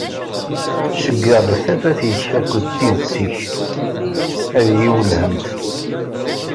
Ceyyeɛ-d tafat-ik akked tidet-ik ad iyi-wellhent.